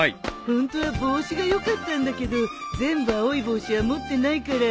ホントは帽子がよかったんだけど全部青い帽子は持ってないから。